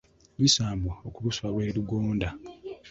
Lisambwa okutuusa lwe ligonda.